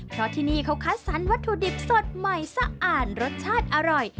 เพราะที่นี่เขาคัดสรรวัตถุดิบสดใหม่สะอาดรสชาติอร่อย